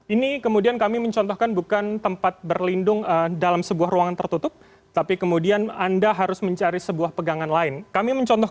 ini kemudian kami mencontohkan bukan tempat berlindung dalam sebuah ruangan tertutup tapi kemudian anda harus mencari sebuah pegangan lain